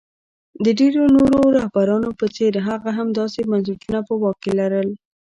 د ډېرو نورو رهبرانو په څېر هغه هم داسې بنسټونه په واک کې لرل.